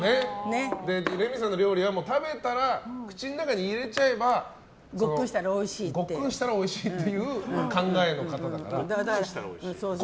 レミさんの料理は食べたら口の中に入れちゃえばごっくんしたらおいしいっていう考えの方だから。